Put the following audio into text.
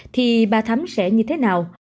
thì bà thấm sẽ như thế nào